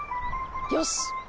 よし！